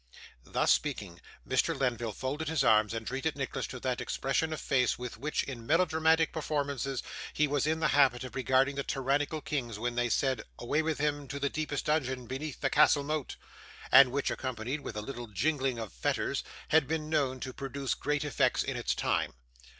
Thus speaking, Mr. Lenville folded his arms, and treated Nicholas to that expression of face with which, in melodramatic performances, he was in the habit of regarding the tyrannical kings when they said, 'Away with him to the deepest dungeon beneath the castle moat;' and which, accompanied with a little jingling of fetters, had been known to produce great effects in its time.